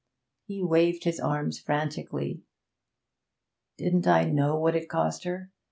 He waved his arms frantically. 'Didn't I know what it cost her?